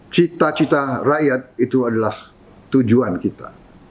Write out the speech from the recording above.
cita cita rakyat itu adalah tujuan kita